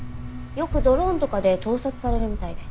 よくドローンとかで盗撮されるみたいで。